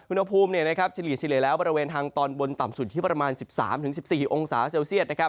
อุณหภูมิเฉลี่ยแล้วบริเวณทางตอนบนต่ำสุดที่ประมาณ๑๓๑๔องศาเซลเซียต